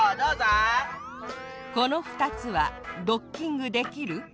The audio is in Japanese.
このふたつはドッキングできる？